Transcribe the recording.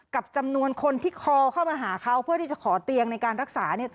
กับจำนวนคนที่คอเข้ามาหาเขาเพื่อที่จะขอเตียงในการรักษา